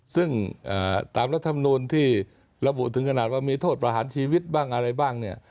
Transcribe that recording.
ซึ่งตามรัฐมนูลที่ระบุถึงขนาดว่ามีโทษประหารชีวิตบ้างอะไรบ้างเนี่ย